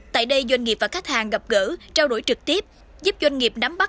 tại đây doanh nghiệp và khách hàng gặp gỡ trao đổi trực tiếp giúp doanh nghiệp nắm bắt